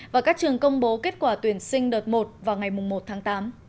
và các trường công bố kết quả tuyển sinh đợt một vào ngày một tháng tám